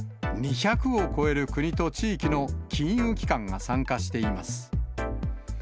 ２００を超える国と地域の金融機関が参加しています。